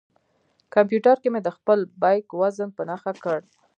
کمپیوټر کې مې د خپل بیک وزن په نښه کړ.